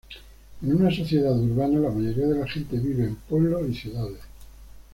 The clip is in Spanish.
En una sociedad urbana, la mayoría de la gente vive en pueblos y ciudades.